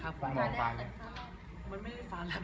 คนมองว่าไบแรปครับ